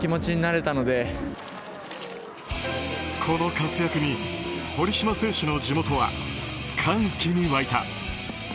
この活躍に堀島選手の地元は歓喜に沸いた。